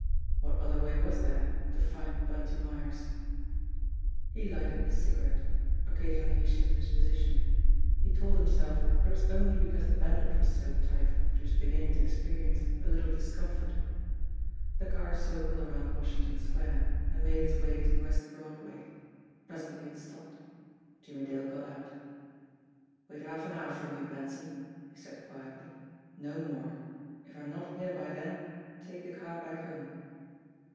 What other way was there to find Bunty Myers? He lighted a cigarette. Occasionally he shifted his posi tion. He told himself that it was only because the bandage was so tight that he was beginning to experience a little dis comfort. The car circled around Washington Square, and made its way into West Broadway. Presently it stopped. Jimmie Dale got out. "Wait half an hour for me, Benson," he said quietly. "No more. If I'm not here by then take the car back home."